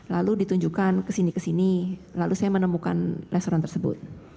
lalu ditunjukkan kesini kesini lalu saya menemukan restoran tersebut